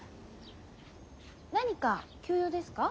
何か急用ですか？